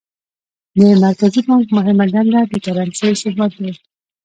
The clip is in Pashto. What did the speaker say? د مرکزي بانک مهمه دنده د کرنسۍ ثبات دی.